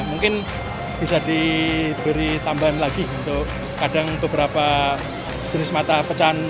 mungkin bisa diberi tambahan lagi untuk kadang beberapa jenis mata pecahan